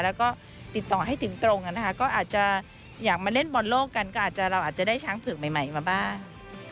แล้วก็ติดต่อให้ถึงตรงค่ะอาจจะอยากมาเล่นโบลโลกกันเราอาจจะได้ช้างผึกใหม่มาบ้าง